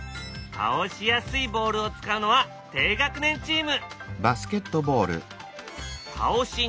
倒しにくいボールを使うのは高学年チーム！